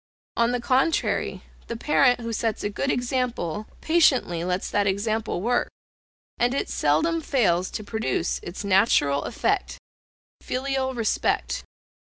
On the contrary, the parent who sets a good example, patiently lets that example work; and it seldom fails to produce its natural effect filial respect.